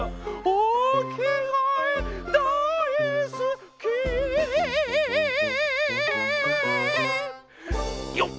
おきがえだいすきよっ！